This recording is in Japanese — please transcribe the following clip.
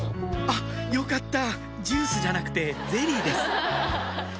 あっよかったジュースじゃなくてゼリーです